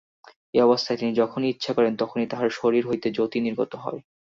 এ-অবস্থায় তিনি যখনই ইচ্ছা করেন, তখনই তাঁহার শরীর হইতে জ্যোতি নির্গত হয়।